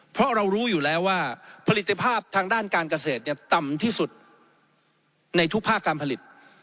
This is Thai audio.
เพราะเรารู้อยู่แล้วว่าผลิตภาพทางด้านการเกษตรต่ำที่สุดในทุกภาคการผลิต